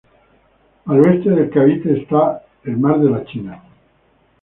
Al oeste del Cavite esta el mar de China.